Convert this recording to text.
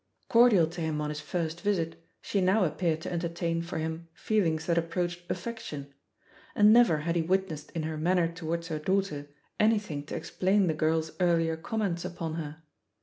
Cordial to him on his first visit, she now appeared to entertain for him feelings that approached affection; and never had he witnessed in her manner towards her daughter anything to ex plain the girl's earlier comments upon her.